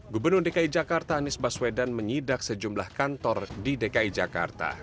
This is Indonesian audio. gubernur dki jakarta anies baswedan menyidak sejumlah kantor di dki jakarta